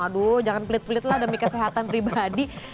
aduh jangan pelit pelit lah demi kesehatan pribadi